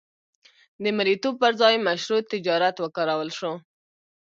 د مریتوب پر ځای مشروع تجارت وکارول شو.